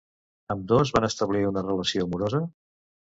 Ambdós van establir una relació amorosa?